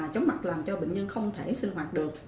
chóng mặt làm cho bệnh nhân không thể sinh hoạt được